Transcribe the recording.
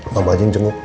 mamah aja yang jemuk